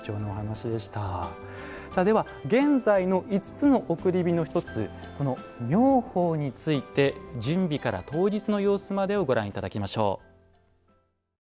現在の５つの送り火の１つ妙法について準備から当日までの様子をご覧いただきましょう。